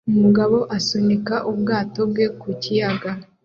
umugabo asunika ubwato bwe ku kiyaga